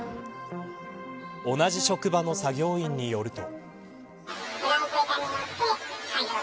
同じ職場の作業員によると。